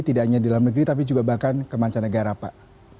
tidak hanya di dalam negeri tapi juga bahkan ke mancanegara pak